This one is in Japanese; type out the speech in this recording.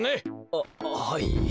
あっははい。